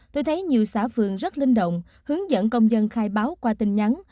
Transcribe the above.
tôi thấy nhiều xã phường rất linh động hướng dẫn công dân khai báo qua tin nhắn